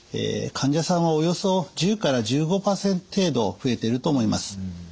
患者さんはおよそ１０から１５％程度増えてると思います。